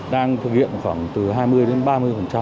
đang thực hiện khoảng từ hai mươi đến ba mươi